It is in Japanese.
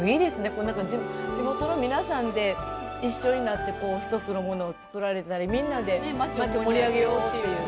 こう何か地元の皆さんで一緒になって一つのものを作られたりみんなで町を盛り上げようっていう。